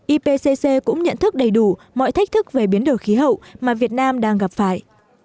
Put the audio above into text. ipc cũng nhận thức đầy đủ mọi thách thức về biến đổi khí hậu mà việt nam đang gặp phải